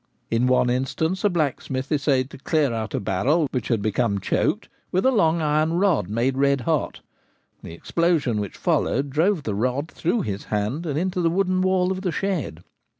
In one instance a blacksmith essayed to clear out a barrel which had become choked with a long iron rod made red hot: the explosion which followed drove the rod through his hand and into the wooden wall of the shed.